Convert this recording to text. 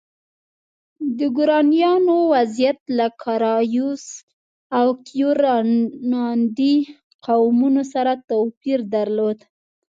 د ګورانیانو وضعیت له کارایوس او کیورانډي قومونو سره توپیر درلود.